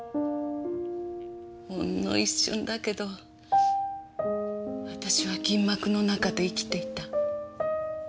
ほんの一瞬だけど私は銀幕の中で生きていた。